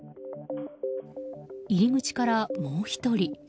入り口からもう１人。